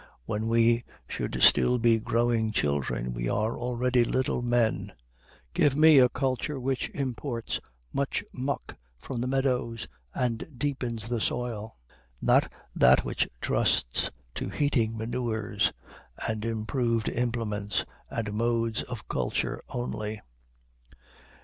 When we should still be growing children, we are already little men. Give me a culture which imports much muck from the meadows, and deepens the soil, not that which trusts to heating manures, and improved implements and modes of culture only!